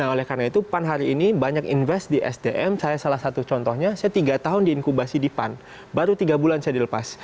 nah oleh karena itu pan hari ini banyak invest di sdm saya salah satu contohnya saya tiga tahun diinkubasi di pan baru tiga bulan saya dilepas